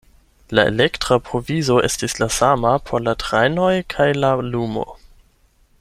La elektra provizo estis la sama por la trajnoj kaj la lumo.